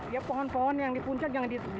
ya pohon pohon yang di puncak jangan di